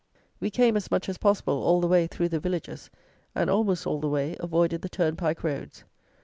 We came, as much as possible, all the way through the villages, and, almost all the way, avoided the turnpike roads.